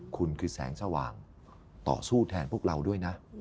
คุณคือแสงสว่างต่อสู้แทนพวกเราด้วยนะ